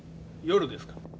夜ですか？